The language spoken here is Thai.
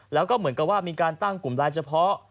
แล้วก็เหมือนกับว่ามีการตั้งกลุ่มไลน์เฉพาะ